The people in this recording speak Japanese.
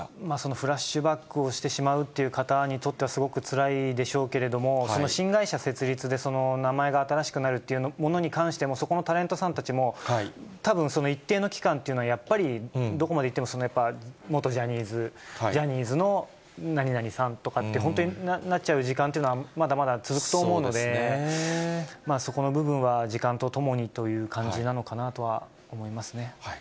フラッシュバックをしてしまうという方にとっては、すごくつらいでしょうけれども、新会社設立で、名前が新しくなるというものに関しても、そこのタレントさんたちも、たぶん、一定の期間というのは、やっぱりどこまでいってもやっぱり元ジャニーズ、ジャニーズの何々さんとかって、本当になっちゃう時間というのは、まだまだ続くと思うので、そこの部分は時間とともにという感じなのかなとは思いますね。